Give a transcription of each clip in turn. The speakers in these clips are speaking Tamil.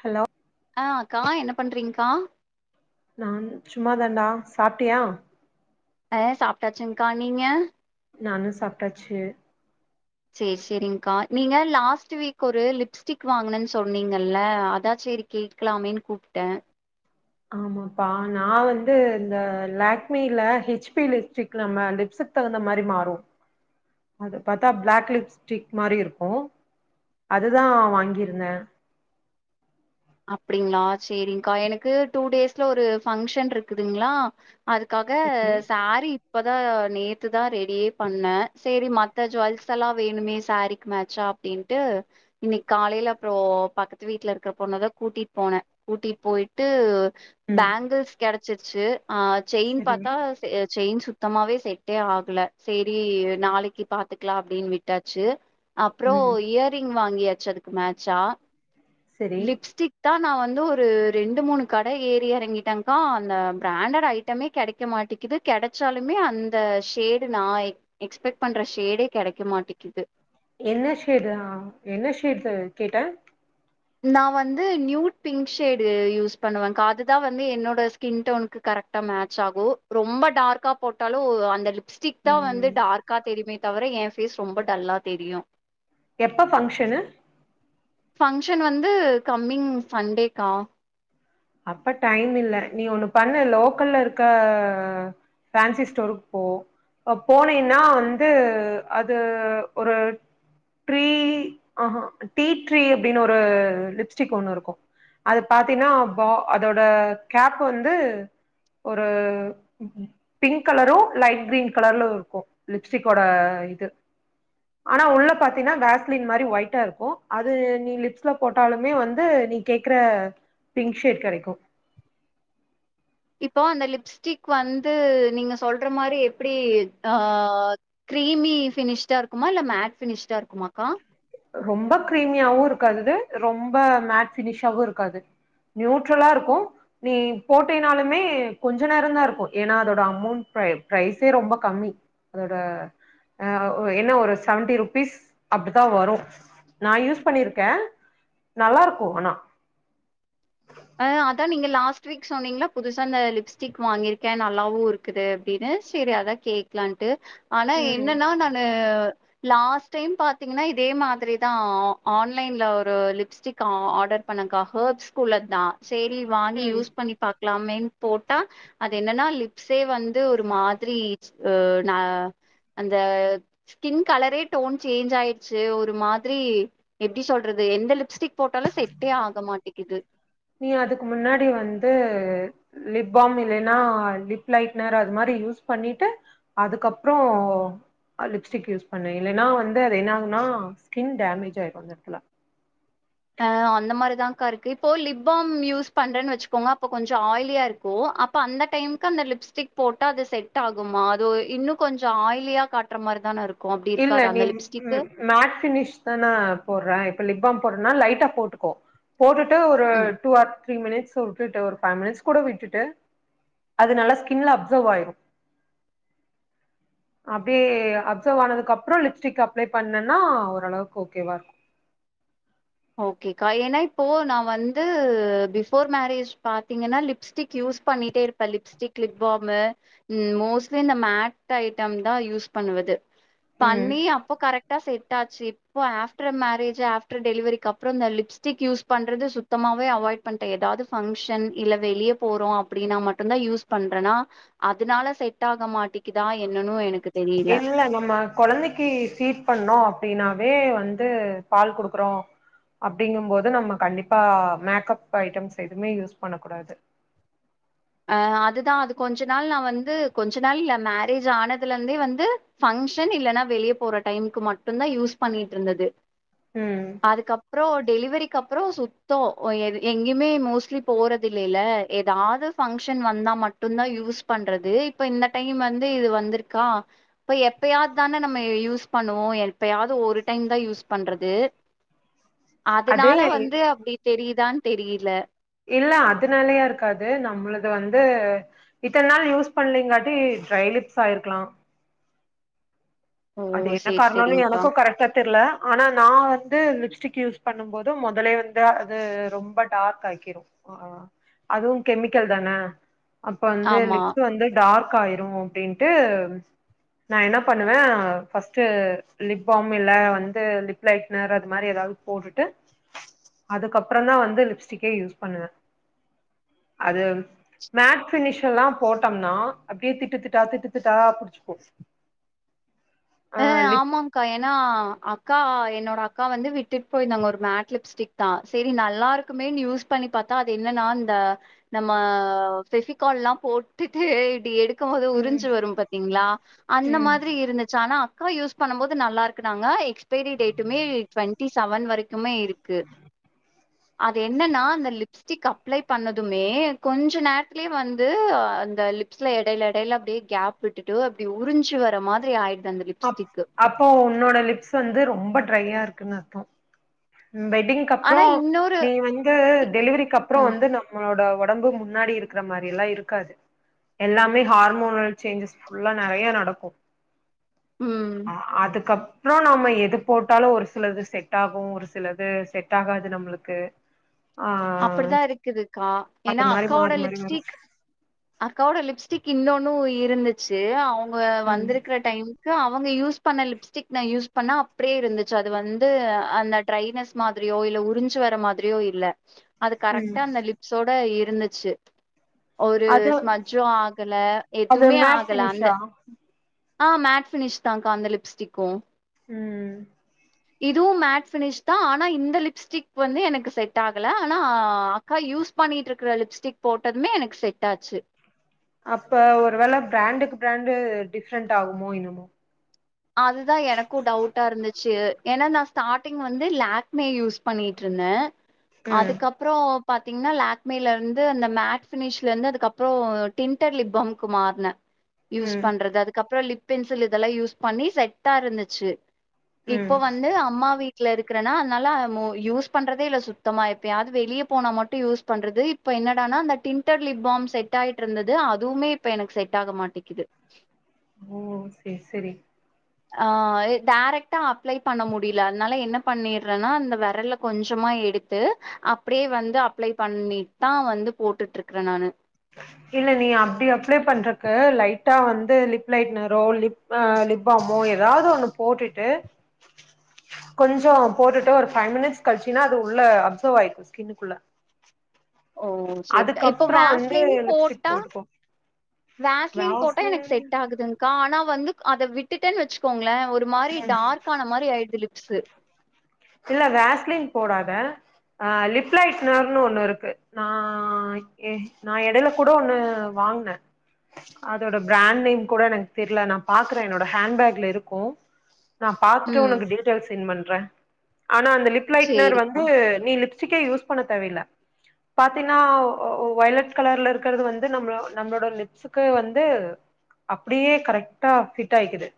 ஹலோ ஆ அக்கா என்ன பண்றீங்க்கா நான் சும்மா தான்டா சாப்ட்டியா ஏ சாப்ட்டாச்சுங்க்கா நீங்க நானு சாப்ட்டாச்சு சேர் சேரிங்கா நீங்க லாஸ்ட் வீக் ஒரு லிப்ஸ்டிக் வாங்குனன் சொன்னீங்கல்ல அதா சேரி கேக்லாமேன் கூப்ட்ட ஆமாப்பா நா வந்து இந்த லக்மில ஹெச்பி லிப்ஸ்டிக் நம்ம லிப்ஸ்க்கு தகுந்த மாரி மாறு அது பாத்தா ப்ளக் லிப்ஸ்டிக் மாரி இருக்கு அதுதா வாங்கிருந்த அப்டிங்ளா சேரிங்கா எனக்கு டூ டேஸ்ல ஒரு பங்க்ஷன் ருக்குதுங்ளா அதுக்காக சரி சாரி இப்பதா நேத்து தா ரெடியே பண்ண சேரி மத்த ஜுவல்ஸ் எல்லா வேணுமே சாரீக்கு மேட்ச்சா அப்டின்ட்டு இன்னைக் காலைல அப்றோ பக்கத்து வீட்ல இருக்குற பொண்ண தா கூட்டிட் போன கூட்டிட் போய்ட்டு ம் பேங்கில்ஸ் கெட சுச்சு ஆ செயின் சரி பாத்தா அ செயின் சுத் தமாவே செட்டே ஆகல சேரி நாளைக்கு பாத்துக்லா அப்டின் விட்டாச்சு அப்றோ ம் இயர்ரிங் வாங்கியா ச்சு அதுக்கு மேட்சா சரி லிப்ஸ்டிக் தா நா வந்து ஒரு ரெண்டு மூணு கட ஏறி எறங்கிட்டங் க்கா அந்த பிராண்டட் ஐட்டமே கெடைக்க மாட்டிக்குது கெடச்சாலுமே அந்த ஷேடு நா எக் எக்ஸ்பெக்ட் பண்ற ஷேடே கெடைக்க மாட்டிக்குது என்ன ஷேடு ஆ என்ன ஷேடு கேட்ட நா வந்து நியூட் பிங்க் ஷேடு யூஸ் பண்ணுவேக்கா அதுதா வந்து என்னோட ஸ்கின் டோனுக்கு கரெக்டா மேட்ச் ஆகு ரொம்ப டார்க்கா போட்டாலு அந்த லிப் ஸ்டிக் தா வந்து ம் டார்க்கா தெரிமே தவர என் ஃபேஸ் ரொம்ப டல்லா தெரியு எப்ப ஃபங்ஷனு ஃபங் ஷன் வந்து கம்மிங் சண்டேக்கா அப்ப டைம் இல்ல நீ ஒன்னு பண்ணு லோக்கல்ல ருக்க ஆ ஃபேன்சி ஸ்டோருக்கு போ போனீன்னா வந்து அது ஒரு ட்ரீ ஆ ஹா டீ ட்ரீ அப்டினு ஒரு லிப்ஸ்டிக் ஒன்னு இருக்கு அது பாத்தீனா வ அதோட கேப் வந்து ஒரு பிங்க் கலரு லைட் கிரீன் கலர்ல ருக்கு லிப்ஸ்டிக்கோட இது ஆனா உள்ள பாத்தீன்னா வேஸ்லின் மாரி ஒயிட்டாருக்கு அது நீ லிப்ஸ்ல போட்டாலுமே வந்து நீ கேக்ற பிங்க் ஷேட் கெடைக்கு இப்போ அந்த லிப்ஸ்டிக் வந்து நீங்க சொல்ற மாரி எப்டி ஆ க்ரீமி ஃபினிஷ்டா ருக்குமா இல்ல மேட் ஃபினிஷ்டா இருக்குமா க்கா ரொம்ப க்ரீமியாவு ருக்காதுது ரொம்ப மேட் ஃபினிஷாவு ருக்காது நியூட்ரலாருக்கு நீ போட்டினாலுமே கொஞ்ச நேர தாருக்கு ஏனா அதோட அமௌண்ட் பிர பிரைசே ரொம்ப கம்மி அதோட ஆ ஒ என்ன ஒரு செவன்டி ருபீஸ் அப்டித்தா வரு நா யூஸ் பண்ணிருக்க நல்லாருக்கு ஆனா ஆ அதா நீங்க லாஸ்ட் வீக் சொன்னீங்ள புதுசா இந்த லிப்ஸ்டிக் வாங்கிருக்கே நல்லாவுருக்குது அப்டினு சேரி அதா கேக்லான்ட்டு ஆனா ம் என்னனா நானு லாஸ்ட் டைம் பாத்தீங்னா இதே மாதிரி தா ஆன்லைன்ல ஒரு லிப்ஸ்டிக் ஆ ஆர்டர் பண்ணங்கா ஹெர்ப்ஸ் குள்ள தா சரி வாங்கி ம் யூஸ் பண்ணி பாக் க்லாமேன் போட்டா அது என்னன்னா லிப்ஸே வந்து ஒரு மாதிரி [unintelligible] நா அந்த ஸ்கின் கலரே டோன் சேஞ்ச் ஆய்ச்சு ஒரு மாதிரி எப்டி சொல்றது எந்த லிப்ஸ்டிக் போட்டாலு செட்டே ஆக மாட்டேகுது நீ அதுக்கு முன்னாடி வந்து லிப் பாம் இல்லைன்னா லிப் லைனர் அது மாதிரி யூஸ் பண்ணிட்டு அதுக்கப்ரோ லிப்ஸ்டிக் யூஸ் பண்ணு இல்லைன்னா வந்து அது என்ன ஆகுன்னா ஸ்கின் டேமேஜ் ஆயிரு அந்த இடத்துல ஆ அந்த மாரிதாக்கா இருக்கு இப்போ லிப் பாம் யூஸ் பண்றேன்னு வச்சுக்கோங்க அப்ப கொஞ்ச ஆயிலியா இருக்கு அப்ப அந்த டைமுக்கு அந்த லிப்ஸ்டிக் போட்ட அது செட் ஆகுமா அது இன்னு கொஞ்ச ஆயிலியா காட்டுற மாரி தான இருக்கு அப்டி இல்ல இருக்காதா நீ அந்த லிப்ஸ்டிக்கு ம் மேட் பினிஷ் தானா போடுற இப்ப லிப்பாம் போடனா லைட்டா போட்டுக்கோ போட்டுட்டு ஒரு ம் டூ ஆர் த்ரீ மினிட்ஸ் விட்டுட்டு ஒரு ஃபைவ் மினிட்ஸ் கூட விட்டுட்டு அது நல்லா ஸ்கின்ல அப்சர்வ் ஆயிரு அப்டியே அ ஆப்சர்வ் அனதுக்கு அப்புற லிப்ஸ்டிக் அப்ளை பண்ணனா ஓரளவுக்கு ஓகேவா இருக்கு ஓகேக்கா ஏன்னா இப்போ நா வந்து பிஃபோர் மேரேஜ் பாத்தீங்கன்னா லிப்ஸ்டிக் யூஸ் பண்ணிட்டே இருப்பே லிப்ஸ்டிக் லிப் பாம் மோஸ்ட்லி ம் இந்த மேட் ஐட்டம் தா யூஸ் பண்ணுவது ம் பண்ணி அப்போ கரெக் டா செட் ஆச்சு இப்போ ஆஃப்டர் மேரேஜு ஆப்டர் டெலிவரி கப்பராம் இந்த லிப்ஸ்டிக் யூஸ் பண்றது சுத்தமாவே அவாய்ட் பண்ட எதாவது ஃபங்ஷன் இல்ல வெளியே போறோ அப்டின்னா மட்டுதா யூஸ் பண்றனா அதனால செட் ஆக மாட் இல்ல நம்ம குழந்தைக்கு ஃபீட் பண்ணோ அப்டின்னா வே வந்து பால் குடுக்குறோ அப்டிங்கும்போது நம்ம கண்டிப்பா மேக்கப் ஐட்டம்ஸ் எதுவுமே யூஸ் பண்ணக்கூடாது அ அதுதா அது கொஞ்ச நாள் நா வந்து கொஞ்ச நாள் இல்ல மேரேஜ் ஆனதுல இருந்தே வந்து ஃபங்ஷன் இல்லன்னா வெளியே போற டைமுக்கு மட்டுதா யூஸ் பண்ணிட்டு இருந்தது ம் அதுக்கப்ரோ டெலிவரிக்கு அப்புற சுத்தோ எங்கேயுமே மோஸ்ட்லி போறது இல்லைல்ல ஏதாது ஃபங்ஷன் வந்தா மட்டுதா யூஸ் பண்றது இப்ப இந்த டைம் வந்து இது வந்திருக்கா இப்ப எப்பயாவது தான நம்ம யூஸ் பண்ணுவோ எப்பயாவது ஒரு டைம் தா யூஸ் பண்றது அது அதனால வந்து அப்டி தெரியுதா தெரியல இல்ல அதுனாலயா இருக்காது நம்மளது வந்து இத்தன நாள் யூஸ் பண்ணலீங்காட்டி டிரை லிப்ஸ் ஆயிருக்கலா ஓ அது என்ன சேரி காரணனு சேரிங்க்கா எனக்கு கரெக்டா தெரில ஆனா நா வந்து லிப்ஸ்டிக் யூஸ் பண்ணும் போது முதலே வந்து அது ரொம்ப டார்க் ஆக்கிரு ஹ அதுவு கெமிக்கல் தான அப்ப வந்து ஆமா லிப்ஸ் வந்து டார்க் ஆயிரும் அப்படின்ட்டு நா என்ன பண்ணுவே ஃபர்ஸ்ட் லிப் பாம் இல்ல வந்து லிப் லைனர் அது மாதிரி ஏதாவது போட்டுட்டு அதுக்கப்புறம் தா வந்து லிப்ஸ்டிக்கே யூஸ் பண்ணுவே அது மேட் ஃபினிஷ் எல்லா போட்டோம்னா அப்படியே திட்டு திட்டா திட்டு திட்டா புடிச்சுக்கு ஆ ஆமாக்கா ஏன்னா அக்கா என்னோட அக்கா வந்து விட்டுட்டு போயிருந்தாங்க ஒரு மேட் லிப்ஸ்டிக் தா சரி நல்லா இருக்குமேன்னு யூஸ் பண்ணி பார்த்தா அது என்னன்னா இந்த நம்ம பெவிகால் போட்டுட்டு இப்படி எடி இருக்கும் போது ம் உறிஞ்சு வரும் பாத்தீங்களா அந்த ம் மாதிரி இருந்து ஆனா அக்கா யூஸ் பண்ணும் போது நல்லா இருக்கு நாங்க எக்ஸ் பெரி டேட்டுமே டுவெண்டி செவன் வரைக்குமே இருக்கு அது என்னன்னா அந்த லிப்ஸ்டிக் அப்ளை பண்ணதுமே கொஞ்ச நேரத்துலே வந்து அந்த லிப்ஸ்ல இடையில இடையில அப்படியே கேப் விட்டுட்டு அப்படி உறிஞ்சு வர மாதிரி ஆய் அ அப்போ உன்னோட லிப்ஸ் வந்து ரொம்ப டரையா இருக் இருக்குனு அர்த்தம் வெட்டிங்க்க ஆனா அப்புறம் இன்னொரு நீ வந்து டெலிவரிக்கு அப்புறம் ம் வந்து நம்மளோட உடம்பு முன்னாடி இருக்கிற மாதிரி எல்லாம் இருக்காது எல்லாமே ஹார்மோனல் சேஞ்சஸ் ஃபுல்லா நிறைய நடக்கும் ம் அ அதுகப் ப்புறோ நாம எது போட்டாலும் ஒரு சிலது செட் ஆகும் ஒரு ஸ் சிலது செட் ஆகாது நம்புளுக்கு அப்புடிதா இருக்குதுக்கா அது ஏன்னா மாரி அக்காவோட மாறி மாறி வரு லிப்ஸ்டிக் அக்காவோட லிப்ஸ்டிக் கின்னொன்னு இருந்துச்சு அவோ இவுங்க ம் வந்துருக்குற டைம் கு அவங்க யூஸ் பண்ண லிப்ஸ்டிக் நா யூஸ் பண்ணா அப்புடியே இருந்துச்சு அது வந்து அந்த ட்ரைனஸ் மாதிரியோ இல்ல உறிஞ்சு வர மாதிரியோ இல்ல அது ம் கரெக்டா அந்த லிப்ஸோட இர் நின்னுச்சு ஒரு அது ஸ்மஜ்ஜு ஆகல அது எதுமே மேட் ஆகல அந்த ஃபினிஷா ஆ மேட் ஃபினிஷ் தாங்க்கா அந்த லிப்ஸ்டிக்கு ம் இதுவு மேட் ஃபினிஷ்தா ஆனா இந்த லிப்ஸ்டிக் வந்து எனக்கு செட் ஆக ல ஆனா அக்கா யூஸ் பண்ணிட்டு இருக்கற லிப்ஸ்டிக் போட்டதுமே எனக்கு செட் ஆச்சு அப்ப ஒரு வேள பிராண்டுக்கு பிராண்டு டிஃப்ரெண்ட் ஆகுமோ என்னமோ அதுதா எனக்கு டவுட்டா இருந்துச்சு ஏன்னா நா ஸ்டார்டிங் வந்து லாக் மே யூஸ் பண்ணிட்ருந்த ம் அதுக்கப்றோ பாத்திங்னா லாக்மேல இருந்து அந்த மேட் ஃபினிஷ்ல இருந்து அதுக்கப்போ டின்ட்டர் லிப்பாம்க்கு மாறுன யூஸ் ம் பண்றது அதுக்கப்ற லிப் பென்சில் இதல்லா யூஸ் பண்ணி செட்டா இருந்துச்சு இப்ப ம் வந்து அம்மா வீட் ல இருக்கறனா அதனால மோ யூஸ் பண்றதே இல்ல சுத்தமா எப்பயாது வெளிய போனா மட்டு யூஸ் பண்றது இப்ப என்னடானா அந்த டிண்ட்டர் லிப் பாம் செட் ஆயிட்ருந்துது அதுவுமே இப்ப எனக்கு செட் ஆக மாட்டேக்குது ஓ செரி செரி ஆ டாரக்ட்டா அப்ளை பண்ண முடில அதனால என்ன பண்ணிடறனா அந்த வெரல்ல கொஞ்சமா எடுத்து அப்பிடியே வந்து அப்ளை பண்ணிட்தா வந்து போட்டுட்ருக்ற நானு இல்ல நீ அப்பிடி அப்ளை பண்றக்கு லைட்டா வந்து லிப் லைட்னரோ லிப் அ லிப் பாமோ எதாவுது ஒண்ணு போட்டுட்டு கொஞ்ச போட்டுட்டு ஒரு ஃபைவ் மினிட்ஸ் கழிச்சினா அது உள்ள அப்சர்வ் ஆயிக்கு ஸ்கின்னுக்குள்ள ஓ செரிக்கா இப்போ அதுக்கப்றோ வந்து வாஸ்லின் லிப்ஸ்டிக் போட்டா போட்டுக்கோ வாஸ்லின் போட்டா எனக்கு வேஸ்லின் செட் ஆகுதுங்க்கா ஆனா வந்து அத விட்டுட்டன் வெச்சுக்கோங்ளே ஒரு மாரி டார்க் ஆன மாரி ஆயிடுது லிப்ஸு இல்ல வாஸ்லின் போடாத ஆ லிப்லைட்னர்னு ஒண்ணு இருக்கு நா எ நா எடைல கூட ஒண்ணு வாங்ன அதோட பிராண்ட் நேம் கூட எனக்குத் தெர்ல நா பாக்ற என்னோட ஹாண்ட்பாக்ல இருக்கு நா பாத்துட்டு ம். உனக்கு டீடய்ல்ஸ் சென்ட் பண் ற ஆனா அந்த லிப் லைட்னர் சேரிக்கா. வந்து நீ லிப் ஸ்டிக்கே யூஸ் பண்ணத் தேவைல்ல பாத்தினா வயலட் கலர்ல இருக்கறது வந்து நம்ளோ நம்ளோட லிப்ஸுக்கு வந்து அப்பிடியே கரெக்டா ஃபிட் ஆயிக்குது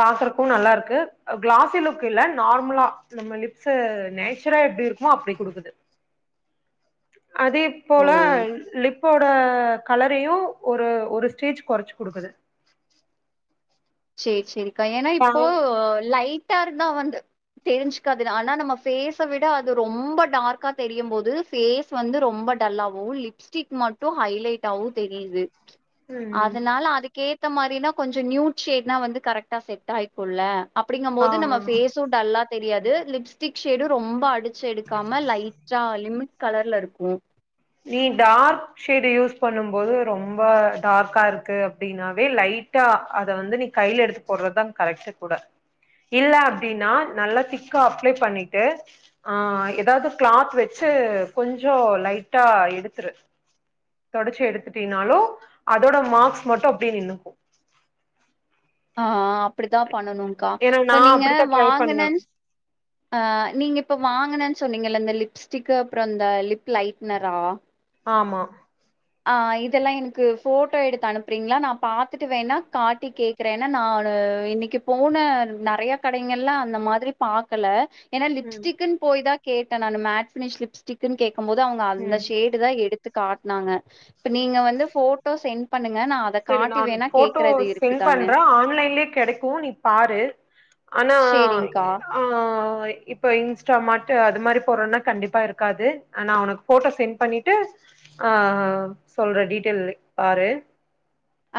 பாக்கறக்கு நல்லாருக்கு க்ளாசி லுக் இல்ல நார்மலா நம்ம லிப்ஸு நாச்சுரா எப்டி இருக்குமோ அப்டி குடுக்குது அதே ஓ! போல லிப் போட கலரையு ஒரு ஒரு ஸ்டேஜ் கொறச்சு குடுக்குது செரி செரி க்கா ஏன்னா இப்போ லைட் ட்டா இருந்தா வந்து தெரிஞ்சுக்காது ஆனா நம்ம ஃபேஸ விட அது ரொம்ப டார்க்கா தெரியும் போது ஃபேஸ் வந்து ரொம்ப டல்லாவும் லிப்ஸ்டிக் மட்டும் ஹைலைட்டாவும் தெரியுது ம் அதனால அதுக்கே எத்த மாதிரினா கொஞ்சம் நியூட் ஷேட்னா வந்து கரெக்டா செட் ஆயிக்கும்ல்ல அப்படிங்கம் ஆ போது நம்ம ஃபேஸும் டல்லா தெரியாது லிப்ஸ்டிக் ஷேடு ரொம்ப அடுத் ச்செடுக்காம லைட்டா லிமிட் கலர்ல இருக்கும் நீ டார்க் ஷேடு யூஸ் பண்ணும் போது ரொம்ப டார்க்கா இருக்கு அப்பிடின்னாவே லைட்டா அத வந்து நீ கையில எடுத்து போட்றதுதா கரெக்ட்டு கூட இல்ல அப்பிடின்னா நல்லா திக்கா அப்ளை பண்ணிட்டு ஆஹ் ஏதாவது கிளாத் வச்சு கொஞ்சோ லைட் ட்டா எடுத்துரு தொடச்சி எடுத்துட்டீன்னாலு அதோட மார்க்ஸ் மட்டு அப்பிடியே நின்னுக்கும் ஆ அப்பிடித்தா பண்ணணும்க்கா ஏன்னா நா இப்ப நீங்க அப்டித்தா ட்ரை பண்ணுவே வாங்கனேன் நீங்க இப்ப வாங்கன சொன்னீங்கல்ல இந்த லிப்ஸ்டிக்கு அப்புறம் இந்த லிப் லைட்னரா ஆமா ஆ இதெல்லாம் எனக்கு ஃபோட்டோ எடுத்து அனுப்புறீங்களா நா பாத்துட்டு வேண்ணா காட்டி கேக்குறேன ஏன்னா நா இன்னைக்கு போன நெறைய கடைகள்ல்ல அந்த மாதிரி பாக்கல ஏன்னா ம் லிப்ஸ்டிக்னு போய்தா கேட்டேன் நானு மேட் ஃபினிஷ் லிப்ஸ்டிக்னு கேட் க்கும் போது அவங்க அந்த ம் ஷேடு தா எடுத் து காட்னாங்க இப்ப நீங்க வந்து ஃபோட்டோ சென்ட் பண் சரி நா ஃபோட்டோ செண்ட் இருக்குதான்னு பண்றேன் ஆன்லைன்லயே கெடைக்கும் நீ பாரு ஆனா சேரிங்க்கா ஆ யிப்ப யின்ஸ்டா மார்டு் அது மாரி போறோனா கண்டிப்பாயிருக்காது நா உனக்கு போட்டோ செண்ட் பண்ணிட்டு ஆ சொல்றேன் டீடெய்ல் பாரு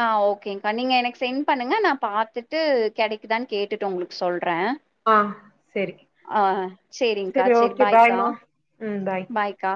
ஆ ஓகேங்க்கா நீங்க யெனக்கு சென்ட் பண்ணுங்க நா பாத்துட்டு கெடைக்குதான்னு கேட்டுட்டு உங்களுக்கு சொல் ற ஆ சரி ஆ சரி்ங்க்கா சரி செரி ஓகே பாய்கா பாய்மா ம் பாய் பாய்கா